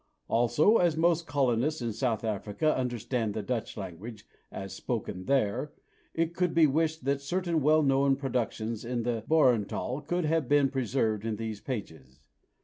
Also as most colonists in South Africa understand the Dutch language "as spoken there," it could be wished that certain well known productions in the "Boerentaal" could have been preserved in these pages.